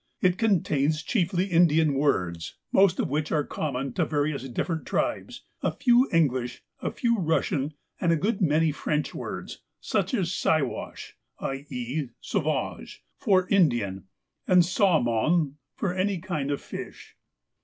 It contains chiefly Indian words, most of which are common to various different tribes, a few English, a few Russian, and a good many French words, such as Siwash (i.e. sauvage) for Indian, and sawmon for any kind of fish.